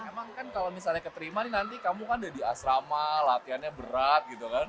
emang kan kalau misalnya keterima nih nanti kamu kan udah di asrama latihannya berat gitu kan